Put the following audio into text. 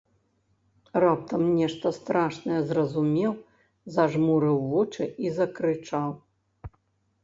Раптам нешта страшнае зразумеў, зажмурыў вочы і закрычаў.